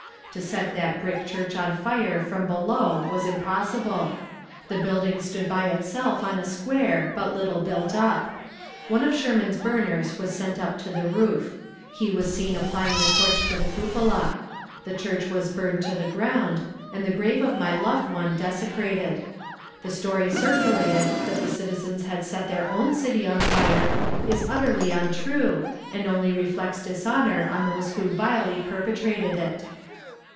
To set that brick church on fire from below was impossible. The building stood by itself on a square but little built up. One of Sherman's burners was sent up to the roof. He was seen applying the torch to the cupola. The church was burned to the ground, and the grave of my loved one desecrated. The story circulated, that the citizens had set their own city on fire, is utterly untrue, and only reflects dishonor on those who vilely perpetrated it.